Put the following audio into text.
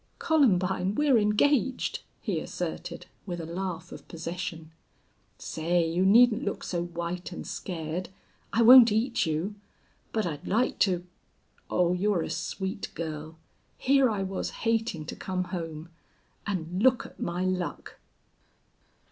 "Columbine, we're engaged," he asserted, with a laugh of possession. "Say, you needn't look so white and scared. I won't eat you. But I'd like to.... Oh, you're a sweet girl! Here I was hating to come home. And look at my luck!"